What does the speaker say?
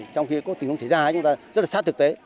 trong khi có tình huống xảy ra chúng ta rất là sát thực tế